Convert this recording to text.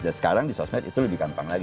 dan sekarang di sosmed itu lebih gampang lagi